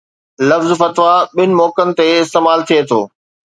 لفظ فتويٰ ٻن موقعن تي استعمال ٿئي ٿو